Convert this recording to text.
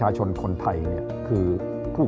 การเลือกตัว